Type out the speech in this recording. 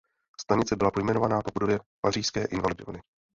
Stanice byla pojmenována po budově pařížské Invalidovny.